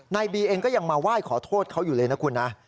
นายเบิ้มเองก็ยังมาไหว้ขอโทษเขาอยู่เลยนะคุณ